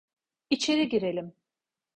İçeri girelim.